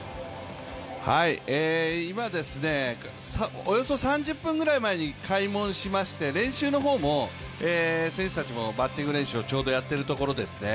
今、およそ３０分ぐらい前に開門しまして、選手たちもバッティング練習をちょうどやっているところですね。